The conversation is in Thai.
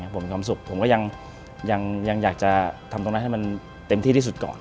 ผมมีความสุขผมก็ยังอยากจะทำตรงนั้นให้มันเต็มที่ที่สุดก่อน